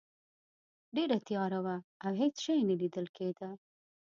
ډیره تیاره وه او هیڅ شی نه لیدل کیده.